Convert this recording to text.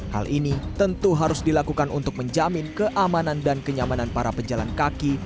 hal ini tentu harus dilakukan untuk menjamin keamanan dan kenyamanan para pejalan kaki